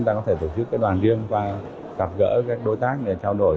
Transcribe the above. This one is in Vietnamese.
chúng ta có thể tổ chức cái đoàn riêng và gặp gỡ các đối tác để trao đổi